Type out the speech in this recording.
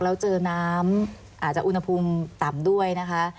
แล้วเจอน้ำอาจจะอุณหภูมิต่ำด้วยนะคะ